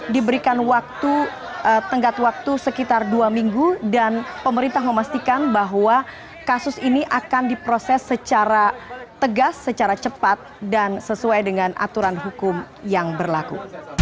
diberikan waktu tenggat waktu sekitar dua minggu dan pemerintah memastikan bahwa kasus ini akan diproses secara tegas secara cepat dan sesuai dengan aturan hukum yang berlaku